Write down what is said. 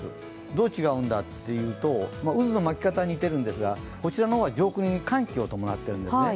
どう違うんだというと渦の巻き方は似ているんですがこちらの方は上空に寒気を伴ってるんですね。